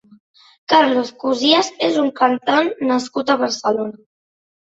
Carlos Cosías és un cantant nascut a Barcelona.